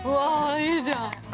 ◆いいじゃん。